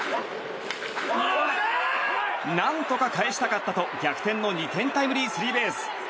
何とか返したかったと逆転の２点タイムリースリーベース。